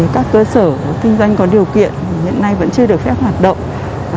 các cơ sở kinh doanh có điều kiện hiện nay vẫn chưa được phép hoạt động